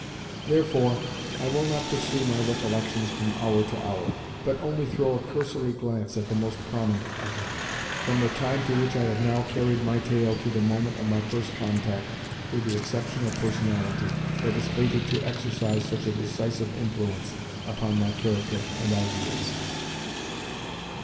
Therefore, I will not pursue my recollections from hour to hour, but only throw a cursory glance at the most prominent of them, from the time to which I have now carried my tale to the moment of my first contact with the exceptional personality that was fated to exercise such a decisive influence upon my character and ideas.